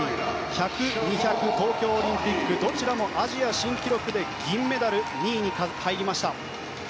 １００、２００東京オリンピックどちらもアジア新記録で銀メダル２位に入りました。